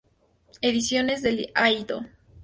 Ediciones del Ayto.